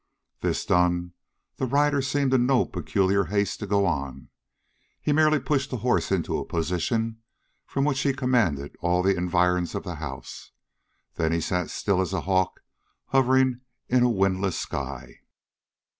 This done, the rider seemed in no peculiar haste to go on. He merely pushed the horse into a position from which he commanded all the environs of the house; then he sat still as a hawk hovering in a windless sky.